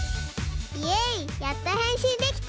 イエイやっとへんしんできた。